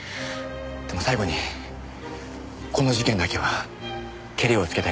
でも最後にこの事件だけはケリをつけたいんです。